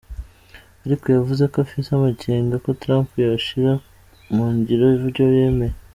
Ariko yavuze ko afise amakenga ko Trump yoshira mu ngiro ivyo yemeye.